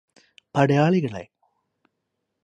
പടയാളികളേ